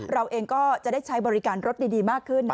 เราก็จะได้ใช้บริการรถดีมากขึ้น